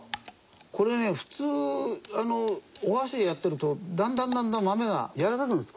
これね普通お箸でやってるとだんだんだんだん豆がやわらかくなってくるんだよね。